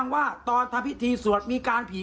สายลูกไว้อย่าใส่